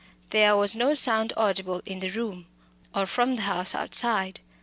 There was no sound audible in the room, or from the house outside.